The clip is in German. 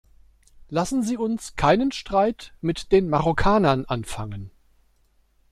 Lassen Sie uns keinen Streit mit den Marokkanern anfangen.